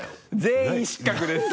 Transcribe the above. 全員失格です。